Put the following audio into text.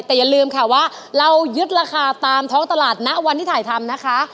แต่อย่าลืมค่ะว่าเรายึดราคาตามท้องตลาดณวันที่ถ่ายทำนะคะ